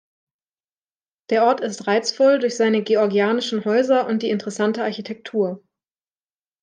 Der Ort ist reizvoll durch seine "Georgianischen" Häuser und die interessante Architektur.